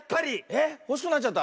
えっほしくなっちゃった？